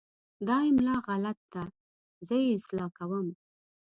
دا املا غلط ده، زه یې اصلاح کوم.